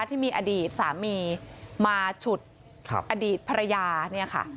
ที่มีอดีตสามีมาฉุดอดีตภรรยาเนี่ยค่ะ